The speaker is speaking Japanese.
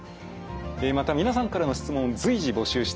えまた皆さんからの質問随時募集しています。